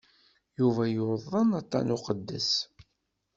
Yuba yuḍen aṭṭan n uduqqes.